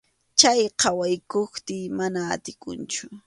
Chay qhawaykuptiy mana atikunchu.